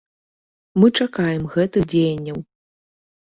Мы чакаем гэтых дзеянняў.